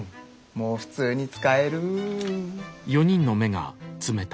もう普通に使える。